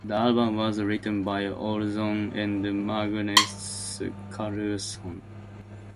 The album was written by Olzon and Magnus Karlsson.